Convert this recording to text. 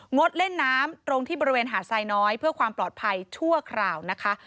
ดเล่นน้ำตรงที่บริเวณหาดทรายน้อยเพื่อความปลอดภัยชั่วคราวนะคะ